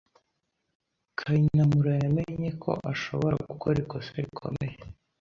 Kayinamura yamenye ko ashobora gukora ikosa rikomeye.